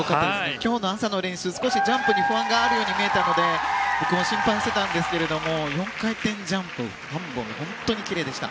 今日の朝の練習少しジャンプに不安があるように見えたので僕は心配していたんですが４回転ジャンプ３本本当にきれいでした。